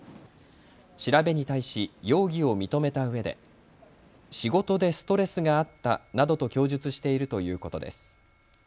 調べに対し容疑を認めたうえで仕事でストレスがあったなどと供述しているということです。